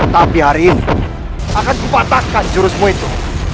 tapi hari ini akan dipatahkan jurusmu itu